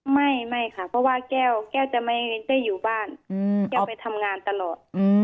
ไม่ค่ะเพราะว่าแก้วแก้วจะไม่ได้อยู่บ้านแก้วไปทำงานตลอด